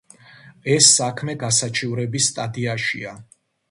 ეს საქმე გასაჩივრების სტადიაშია.